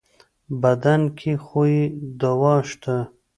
بدن کې خو يې دوا شته.